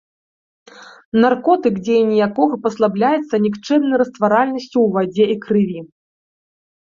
Наркотык, дзеянне якога паслабляецца нікчэмнай растваральнасцю ў вадзе і крыві.